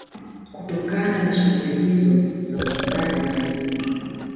Kutokana na shughuli hizo za uchimbaji madini